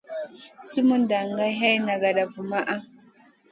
Sumun dagey hay nagada vumaʼa.